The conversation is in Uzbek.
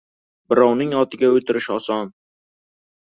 • Birovning otiga o‘tirish oson.